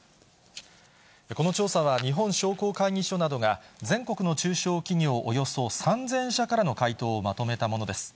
この調査は、日本商工会議所などが、全国の中小企業およそ３０００社からの回答をまとめたものです。